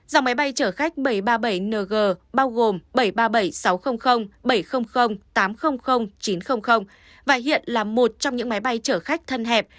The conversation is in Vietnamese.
dòng máy bay chở khách bảy trăm ba mươi bảy ng bao gồm bảy trăm ba mươi bảy sáu trăm linh bảy trăm linh tám trăm linh chín trăm linh và hiện là một trong những máy bay chở khách thân hẹp